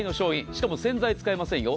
しかも洗剤、使いませんよ。